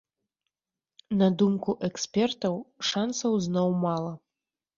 На думку экспертаў, шансаў зноў мала.